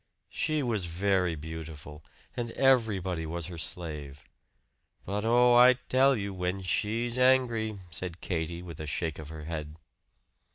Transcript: She was very beautiful, and everybody was her slave. "But oh, I tell you, when she's angry!" said Katie with a shake of her head.